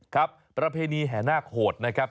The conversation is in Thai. ประเพณีแห่นาคโหดนะครับ